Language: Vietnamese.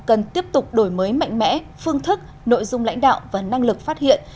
cần tiếp tục đổi mới mạnh mẽ phương thức nội dung lãnh đạo và năng lực phát hiện